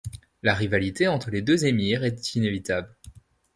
La rivalité entre les deux émirs est inévitable.